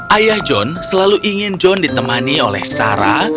ayah john selalu ingin john ditemani oleh sarah